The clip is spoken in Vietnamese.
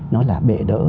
nó là bệ đỡ